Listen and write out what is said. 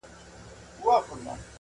نه په زرو یې سو د باندي را ایستلای-